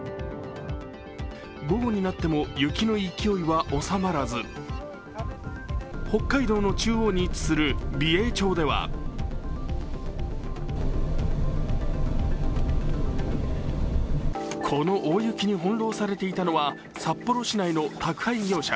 午後になっても雪の勢いは収まらず北海道の中央に位置する美瑛町ではこの大雪に翻弄されていたのは札幌市内の宅配業者。